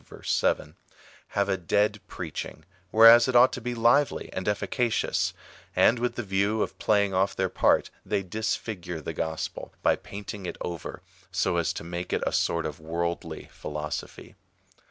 7) have a dead preaching, whereas it ought to be lively and efficacious ; and, with the view of playing off their part, they disfigure the gospel by painting it over, so as to make it a sort of worldly philo sophy.